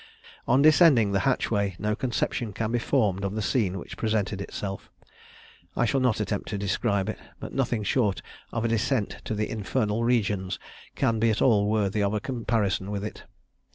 On descending the hatchway, no conception can be formed of the scene which presented itself. I shall not attempt to describe it; but nothing short of a descent to the infernal regions can be at all worthy of a comparison with it.